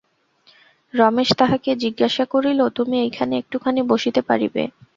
রমেশ তাহাকে জিজ্ঞাসা করিল, তুমি এইখানে একটুখানি বসিতে পারিবে?